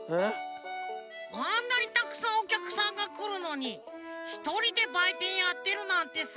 あんなにたくさんおきゃくさんがくるのにひとりでばいてんやってるなんてさ。